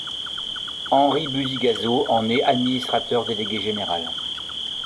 Henry Buzy-Cazaux en est l'administrateur délégué général.